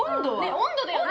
温度だよね！